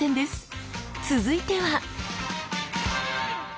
続いては。